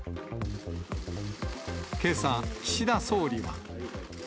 けさ、岸田総理は。